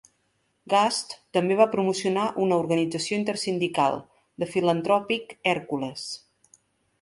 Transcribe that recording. Gast també va promocionar una organització intersindical: "The Philanthropic Hercules".